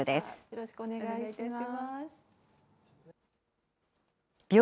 よろしくお願いします。